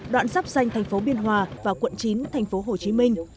đoạn sắp danh thành phố biên hòa và quận chín thành phố hồ chí minh